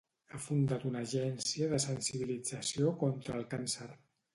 Ha fundat una agència de sensibilització contra el càncer.